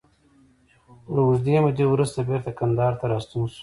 له اوږدې مودې وروسته بېرته کندهار ته راستون شو.